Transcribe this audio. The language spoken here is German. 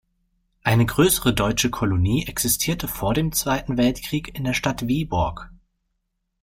Eine größere deutsche Kolonie existierte vor dem Zweiten Weltkrieg in der Stadt Wiborg.